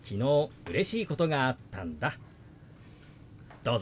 どうぞ。